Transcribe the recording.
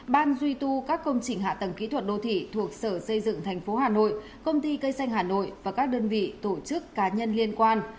ban duy tu các công trình hạ tầng kỹ thuật đô thị thuộc sở xây dựng thành phố hà nội công ty cây xanh hà nội và các đơn vị tổ chức cá nhân liên quan